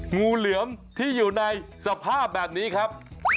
งูเหลือมที่อยู่ในสภาพแบบนี้ครับ